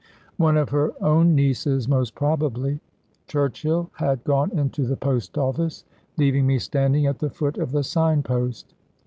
One of her own nieces, most probably. Churchill had gone into the post office, leaving me standing at the foot of the sign post.